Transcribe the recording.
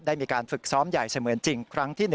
ได้มีการฝึกซ้อมใหญ่เสมือนจริงครั้งที่๑